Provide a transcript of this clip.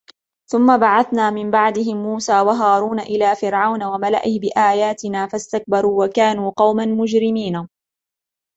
ثم بعثنا من بعدهم موسى وهارون إلى فرعون وملئه بآياتنا فاستكبروا وكانوا قوما مجرمين